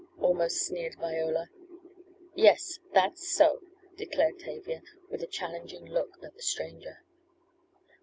almost sneered Viola. "Yes, that's so," declared Tavia, with a challenging look at the stranger.